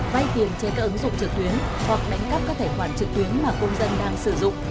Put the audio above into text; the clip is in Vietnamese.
vay tiền trên các ứng dụng trực tuyến hoặc đánh cắp các tài khoản trực tuyến mà công dân đang sử dụng